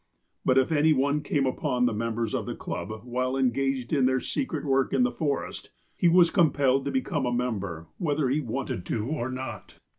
But if any one came upon the members of the club while engaged in their secret work in the forest, he was com pelled to become a member, whether he wanted to or not.